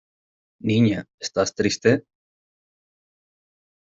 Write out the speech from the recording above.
¿ niña, estás triste?